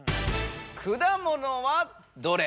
くだものはどれ？